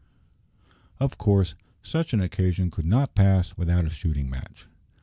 Of course such an occasion could not pass without a shooting match.